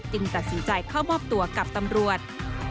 ตัดสินใจเข้ามอบตัวกับตำรวจ